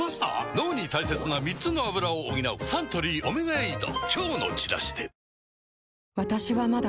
脳に大切な３つのアブラを補うサントリー「オメガエイド」